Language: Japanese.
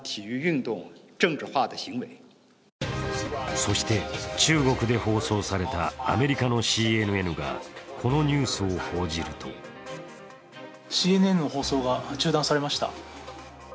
そして、中国で放送されたアメリカのＣＮＮがこのニュースを報じるとＣＮＮの放送が中断されました。